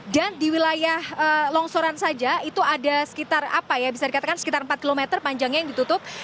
dan di wilayah longsoran saja itu ada sekitar apa ya bisa dikatakan sekitar empat km panjangnya yang ditutup